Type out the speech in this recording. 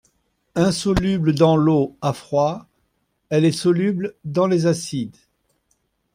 Insoluble dans l'eau à froid, elle est soluble dans les acides.